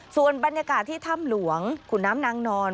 ส่วนบรรยากาศที่ถ้ำหลวงขุนน้ำนางนอน